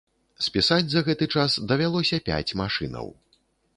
Спісаць за гэты час давялося пяць машынаў.